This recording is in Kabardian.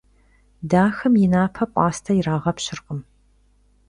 Daxem yi nape p'aste yirağepş'ırkhım.